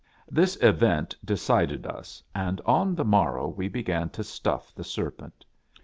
This event decided us, and on the morrow we be gan to stuff the serpent.